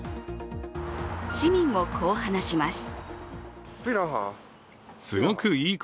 市民も、こう話します。